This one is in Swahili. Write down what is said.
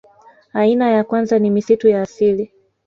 Aina ya kwanza ni misitu ya asili